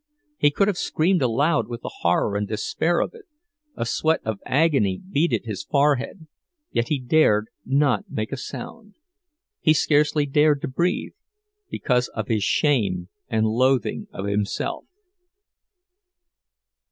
He could have screamed aloud with the horror and despair of it; a sweat of agony beaded his forehead, yet he dared not make a sound—he scarcely dared to breathe, because of his shame and loathing of himself.